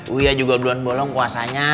wia juga duluan bolong puasanya